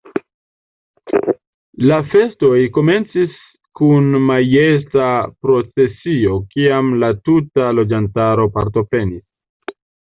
La festoj komencis kun majesta procesio kiam la tuta loĝantaro partoprenis.